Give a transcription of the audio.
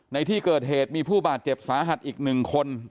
ในที่เกิดเหตุมีผู้บาดเจ็บสาหัสอีก๑คน